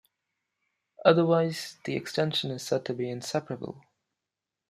Otherwise, the extension is said to be inseparable.